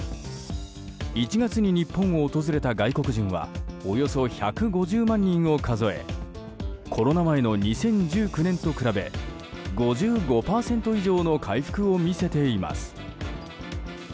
１月に日本を訪れた外国人はおよそ１５０万人を数えコロナ前の２０１９年と比べ５５％以上の回復を見せています。